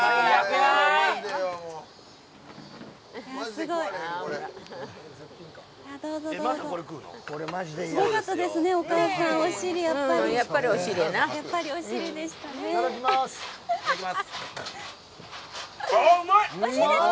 いただきます。